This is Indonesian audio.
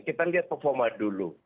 kita lihat performa dulu